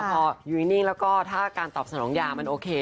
พอยูนิ่งแล้วก็ถ้าการตอบสนองยามันโอเค